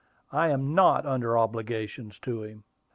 "I am not under obligations to him."